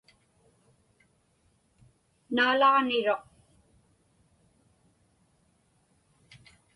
Naalaġniruq.